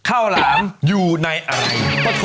ข้าวหลามอยู่ในอะไร